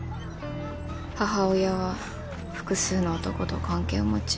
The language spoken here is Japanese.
母親は複数の男と関係を持ち。